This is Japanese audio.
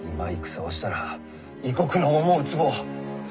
今戦をしたら異国の思うつぼ。